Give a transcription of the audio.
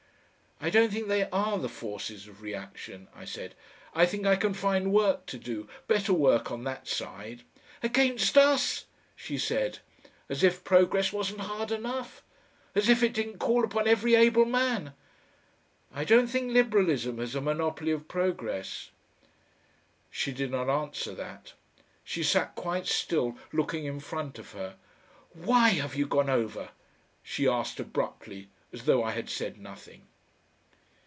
"I don't think they are the forces of reaction," I said. "I think I can find work to do better work on that side." "Against us!" she said. "As if progress wasn't hard enough! As if it didn't call upon every able man!" "I don't think Liberalism has a monopoly of progress." She did not answer that. She sat quite still looking in front of her. "WHY have you gone over?" she asked abruptly as though I had said nothing.